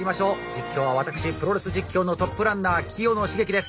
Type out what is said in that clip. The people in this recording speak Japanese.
実況は私プロレス実況のトップランナー清野茂樹です。